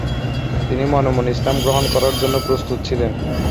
তিনি মনে মনে ইসলাম গ্রহণ করার জন্য প্রস্তুত ছিলেন।